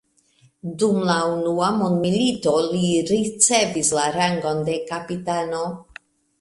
Dum la unua mondmilito li ricevis la rangon de kapitano.